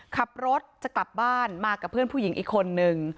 ขับรถจะกลับบ้านมากับเพื่อนผู้หญิงอีกคนนึง